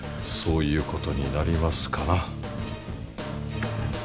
そういうことになりますかな。